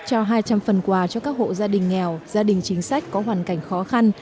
cho hai trăm linh phần quà cho các hộ gia đình nghèo gia đình chính sách có hoàn cảnh khó khăn